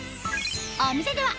お店では